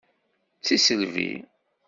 D tisselbi!